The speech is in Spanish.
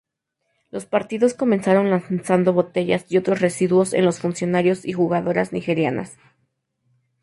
Los partidarios comenzaron lanzando botellas y otros residuos en los funcionarios y jugadoras nigerianas.